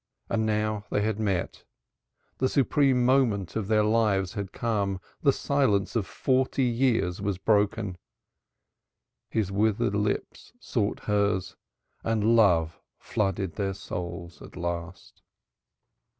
And now they had met. The supreme moment of their lives had come. The silence of forty years was broken. His withered lips sought hers and love flooded their souls at last.